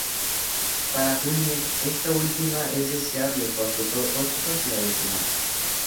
Para Julien, esta última es deseable porque otros la desean.